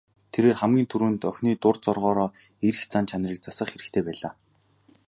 Тэрээр хамгийн түрүүнд охины дур зоргоороо эрх зан чанарыг засах хэрэгтэй байлаа.